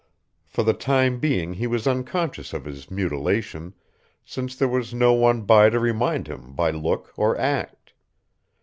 For the time being he was unconscious of his mutilation, since there was no one by to remind him by look or act.